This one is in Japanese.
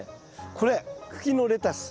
これ茎のレタス。